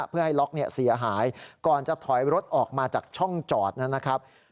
เพื่อให้ล็อกเสียหายก่อนจะถอยรถออกมาจากช่องจอดนะครับ